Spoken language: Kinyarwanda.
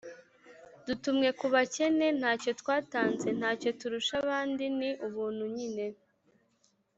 dutumwe ku bakene. ntacyo twatanze, ntacyo turusha abandi ; ni ubuntu nyine